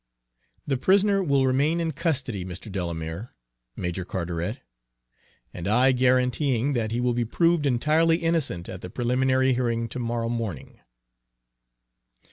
The prisoner will remain in custody, Mr. Delamere, Major Carteret, and I guaranteeing that he will be proved entirely innocent at the preliminary hearing to morrow morning."